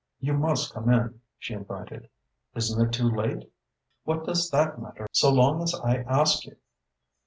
"You must come in," she invited. "Isn't it too late?" "What does that matter so long as I ask you?"